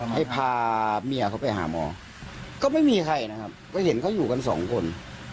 ให้พาเมียเขาไปหาหมอก็ไม่มีใครนะครับก็เห็นเขาอยู่กันสองคน